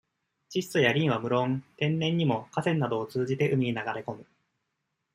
窒素や燐は、むろん、天然にも、河川などを通じて、海に流れこむ。